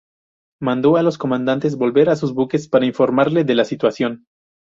Mandó a los comandantes volver a sus buques para informarle de la situación.